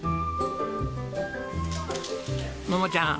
桃ちゃん